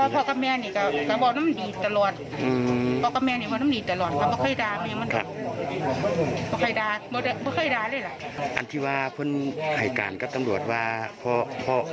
มันผิดประจำนะฮะพ่อกับแม่นี่ก็บอกว่ามันดีตลอด